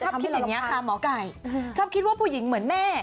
ชอบคิดแบบเนี้ยค่ะหมอกายชอบคิดว่าผู้หญิงเหมือนแม่